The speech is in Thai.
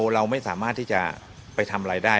เราไม่สามารถที่จะไปทำอะไรได้